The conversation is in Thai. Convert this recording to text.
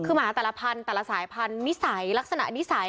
คือหมาแต่ละพันธุ์แต่ละสายพันธุ์นิสัยลักษณะนิสัย